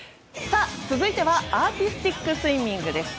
続いてはアーティスティックスイミング。